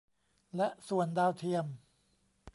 และส่วนดาวเทียม